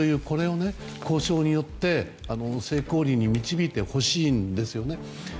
これを交渉によって成功裏に導いてほしいんですよね。